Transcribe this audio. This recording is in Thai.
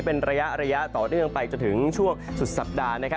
เป็นระยะต่อเนื่องไปจนถึงช่วงสุดสัปดาห์